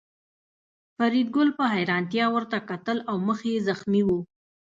فریدګل په حیرانتیا ورته کتل او مخ یې زخمي و